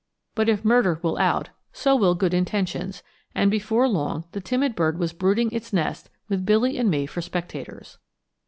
But if murder will out, so will good intentions; and before long the timid bird was brooding its nest with Billy and me for spectators.